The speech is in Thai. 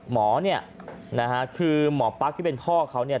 หมอเนี่ยนะฮะคือหมอปั๊กที่เป็นพ่อเขาเนี่ย